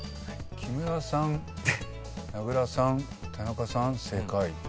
「木村さん名倉さん田中さん正解」